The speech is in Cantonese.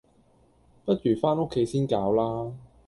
不如返屋企先搞啦